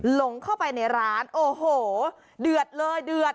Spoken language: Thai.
หลงเข้าไปในร้านโอ้โหเดือดเลยเดือด